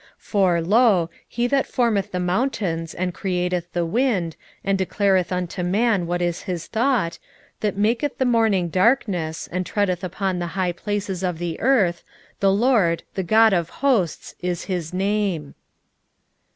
4:13 For, lo, he that formeth the mountains, and createth the wind, and declareth unto man what is his thought, that maketh the morning darkness, and treadeth upon the high places of the earth, The LORD, The God of hosts, is his name.